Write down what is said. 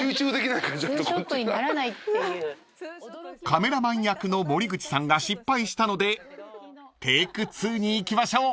［カメラマン役の森口さんが失敗したのでテーク２にいきましょう］